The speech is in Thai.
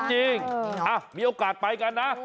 มีโอกาสไปกันนะ